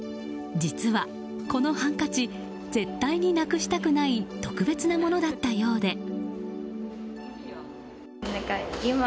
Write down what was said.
実はこのハンカチ絶対になくしたくない特別なものだったようで。